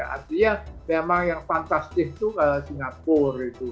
artinya memang yang fantastis itu singapura